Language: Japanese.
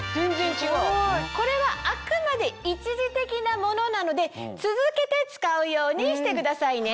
これはあくまで一時的なものなので続けて使うようにしてくださいね。